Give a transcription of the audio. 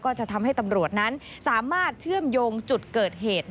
จะทำให้ตำรวจนั้นสามารถเชื่อมโยงจุดเกิดเหตุ